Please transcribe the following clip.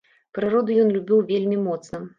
Прыроду ён любіў вельмі моцна.